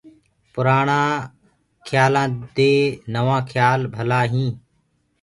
پُرآڻآ کيآلآندي نوآ کيآل ڀلآ هينٚ۔